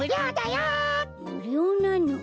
むりょうなの。